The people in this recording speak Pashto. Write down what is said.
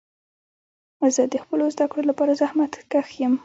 زه د خپلو زده کړو لپاره زحمت کښ یم.